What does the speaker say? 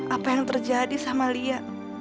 apa yang terjadi sama lia